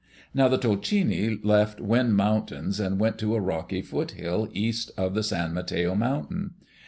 Now the Tolchini left Wind Mountains and went to a rocky foothill east of the San Mateo Mountain.